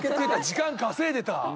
時間稼いでた。